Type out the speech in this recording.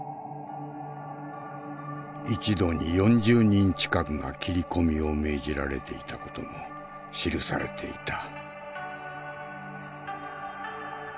一度に４０人近くが斬り込みを命じられていた事も記されていた。